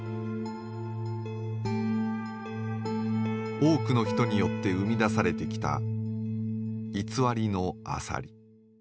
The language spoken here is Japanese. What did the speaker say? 多くの人によって生み出されてきた偽りのアサリ。